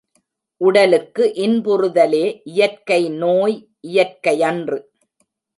உடலுக்கு, இன்புறுதலே இயற்கை நோய் இயற்கையன்று.